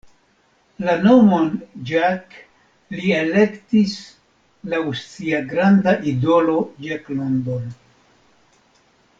La nomon "Jack" li elektis laŭ sia granda idolo Jack London.